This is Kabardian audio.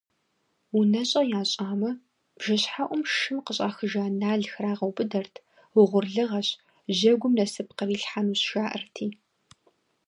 УнэщӀэ ящӀамэ, бжэщхьэӀум шым къыщӀахыжа нал храгъэубыдэрт, угъурлыгъэщ, жьэгум насып кърилъхьэнущ жаӀэрти.